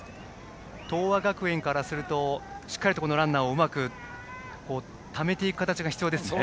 東亜学園からするとしっかりとランナーをうまくためていく形が必要ですね。